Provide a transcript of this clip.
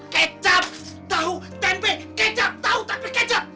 kecap tahu tempe kecap tahu tapi kecap